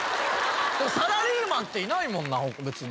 でもサラリーマンっていないもんな別に。